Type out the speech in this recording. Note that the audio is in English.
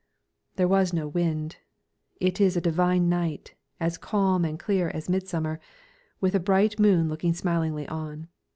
There is no wind; it is a divine night, as calm and clear as midsummer, with a bright moon looking smilingly on.